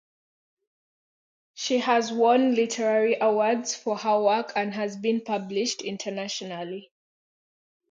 She has won literary awards for her work and has been published internationally.